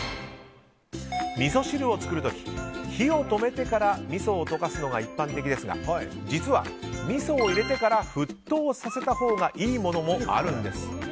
みそ汁を作る時、火を止めてからみそを溶かすのが一般的ですが実はみそを入れてから沸騰させたほうがいいものもあるんです。